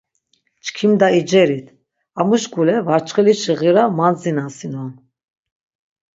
Çkimda icerit, amu şk̆ule varçxilişi ğira mandzinasinon.